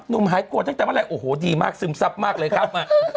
หายกลัวตั้งแต่เมื่อไหรโอ้โหดีมากซึมซับมากเลยครับ